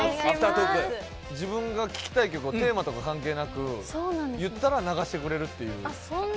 自分が聴きたい曲をテーマとか関係なく言ったら流してくれるっていう。